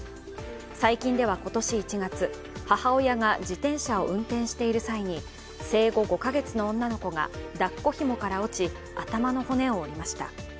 最近では今年１月、母親が自転車を運転している際に生後５か月の女の子がだっこひもから落ち頭の骨を折りました。